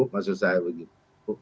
maksud saya begitu